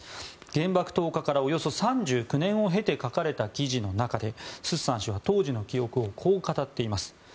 原爆投下からおよそ３９年を経て書かれた記事の中でスッサン氏は当時の記憶をこう語っています。